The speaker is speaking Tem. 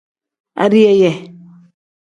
Adiyeeye.